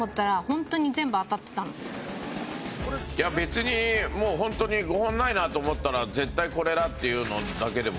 ホントにね別にもうホントに５本ないなと思ったら絶対これだっていうのだけでも。